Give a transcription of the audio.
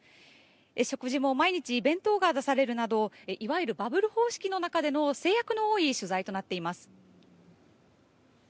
食事も毎日弁当が出されるなどいわゆるバブル方式での制約が多い取材となっています。